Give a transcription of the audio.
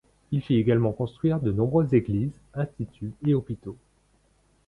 Il fit également construire de nombreuses églises, instituts et hôpitaux.